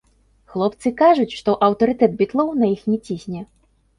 Хлопцы кажуць, што аўтарытэт бітлоў на іх не цісне.